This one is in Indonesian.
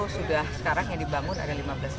sekarang yang dibangun ada lima belas